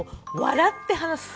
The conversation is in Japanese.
笑って話す。